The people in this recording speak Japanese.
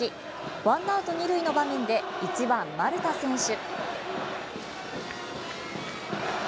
ワンアウト２塁の場面で１番、丸田選手。